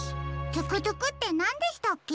トゥクトゥクってなんでしたっけ？